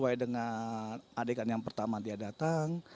sesuai dengan adegan yang pertama dia datang